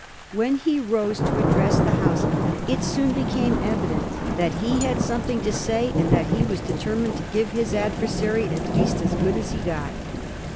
When he rose to address the House it soon became evident that he had something to say, and that he was determined to give his adversary at least as good as he brought.